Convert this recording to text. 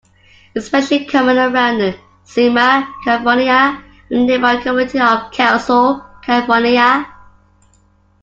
It especially common around Cima, California and the nearby community of Kelso, California.